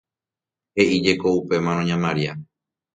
he'íjeko upémarõ ña Maria